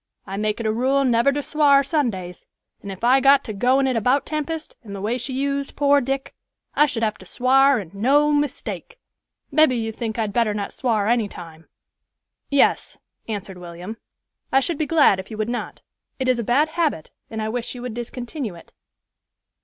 I make it a rule never to swar Sundays, and if I got to goin' it about Tempest and the way she used poor Dick, I should have to swar and no mistake. Mebby you think I'd better not swar any time." "Yes," answered William; "I should be glad if you would not. It is a bad habit, and I wish you would discontinue it."